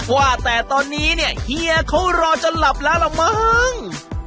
ว่าแต่ตอนนี้เนี่ยเฮียเขารอจนหลับแล้วล่ะมั้ง